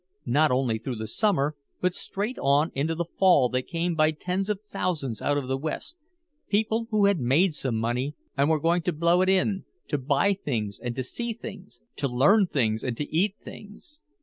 Not only through the Summer but straight on into the Fall they came by tens of thousands out of the West, people who had made some money and were going to blow it in, to buy things and to see things, to learn things and to eat things.